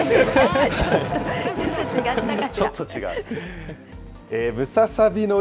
ちょっと違う。